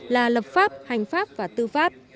là lập pháp hành pháp và tư pháp